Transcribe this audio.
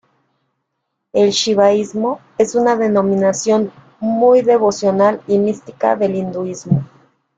El shivaísmo es una denominación muy devocional y mística del hinduismo.